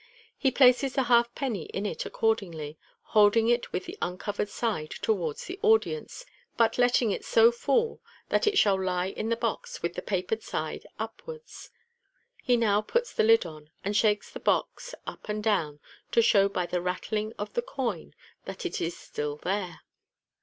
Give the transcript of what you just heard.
He places the halfpenny in it accordingly, holding it with the uncovered side towards the audience, but letting it so fall that it shall lie in the box with the papered side upwards. He now puts the lid on, and shakes the box up and down, to show by the rattling of the coin that it is still there.